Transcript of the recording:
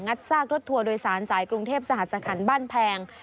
ซากรถทัวร์โดยสารสายกรุงเทพสหสคันบ้านแพง